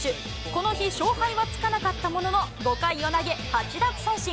この日、勝敗はつかなかったものの、５回を投げ、８奪三振。